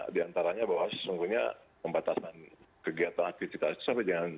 di antaranya bahwa sesungguhnya pembatasan kegiatan aktivitas sampai dengan